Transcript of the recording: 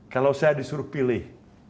kalau saya disuruh pilih